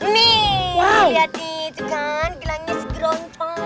nih lihat nih itu kan gelangnya segerontong